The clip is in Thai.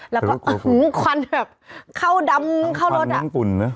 แล้วก็อื้อควันแบบเข้าดำเข้ารถอ่ะควันมันปุ่นเนอะ